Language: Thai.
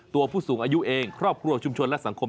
ผู้สูงอายุเองครอบครัวชุมชนและสังคม